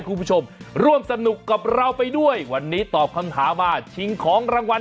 คุณผู้ชมร่วมสนุกกับเราไปด้วยวันนี้ตอบคำถามมาชิงของรางวัล